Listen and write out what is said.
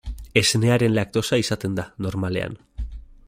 Esnearen laktosa izaten da, normalean.